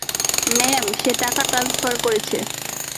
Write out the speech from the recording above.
Ma'am, সে টাকা transfer করছে।